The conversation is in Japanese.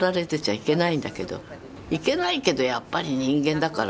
いけないけどやっぱり人間だからね。